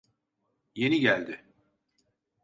Yeni geldi.